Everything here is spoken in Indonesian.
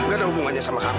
gak ada hubungannya sama hp